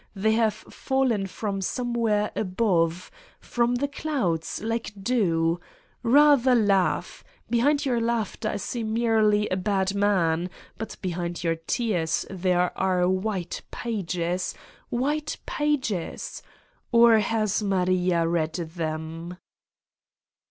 They have fallen from somewhere above, from the clouds, like dew. Bather laugh: behind your laughter I see merely a bad man, but behind your tears there are white pages, white pages! ... or has Maria read them?"